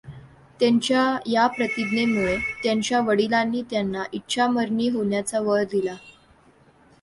त्यांच्या या प्रतिज्ञेमुळे त्यांच्या वडिलांनी त्यांना इच्छामरणी होण्याचा वर दिला.